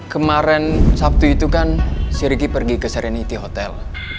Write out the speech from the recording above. kemaren sabtu itu kan siriki pergi ke serenity hotel